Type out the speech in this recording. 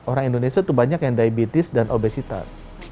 orang indonesia itu banyak yang diabetes dan obesitas